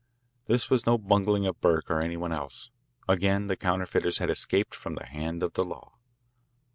This was no bungling of Burke or any one else. Again the counterfeiters had escaped from the hand of the law.